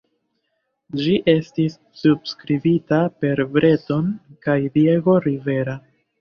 Ĝi estis subskribita per Breton kaj Diego Rivera.